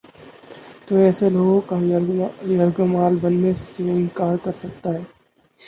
تو ایسے لوگوں کا یرغمال بننے سے انکار کر سکتا ہے۔